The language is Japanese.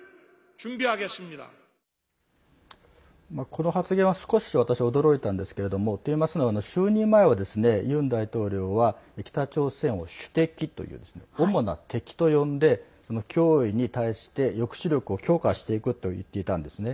この発言は少し私、驚いたんですけれどもといいますのは、就任前はユン大統領は北朝鮮を主敵という主な敵と呼んで脅威に対して抑止力を強化していくと言っていたんですね。